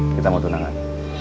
kita mau tunangan